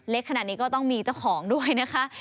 ขนาดนี้ก็ต้องมีเจ้าของด้วยนะคะ